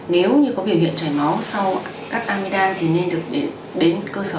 nếu như có biểu hiện chảy máu sau cắt amidam thì nên được đến cơ sở